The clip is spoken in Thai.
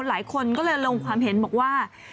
หลายคนก็เลยลงความเห็นบอกว่า